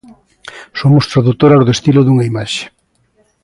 Somos tradutoras do estilo dunha imaxe.